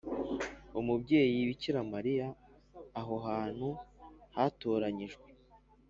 umubyeyi bikira mariya. aho hantu hatoranyijwe